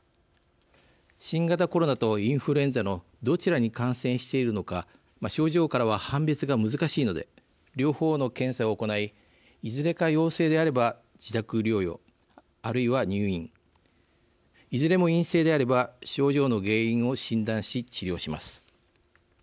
新型コロナとインフルエンザのどちらに感染しているのか症状からは判別が難しいので両方の検査を行いいずれか陽性であれば自宅療養あるいは入院いずれも陰性であれば症状の原因を診断し、治療します。